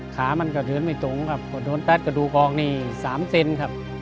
ขามันก็เดินไม่ตรงครับก็โดนตัดกระดูกกองนี่๓เซนครับ